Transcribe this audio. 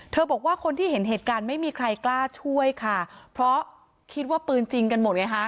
บอกว่าคนที่เห็นเหตุการณ์ไม่มีใครกล้าช่วยค่ะเพราะคิดว่าปืนจริงกันหมดไงฮะ